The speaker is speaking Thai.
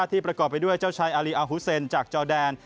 ประกอบไปด้วยเจ้าชายอารีอาฮุเซนจากจอแดน